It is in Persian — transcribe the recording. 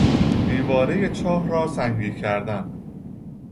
دیوارهی چاه را سنگی کردن